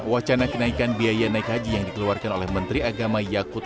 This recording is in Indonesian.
wacana kenaikan biaya naik haji yang dikeluarkan oleh menteri agama yakut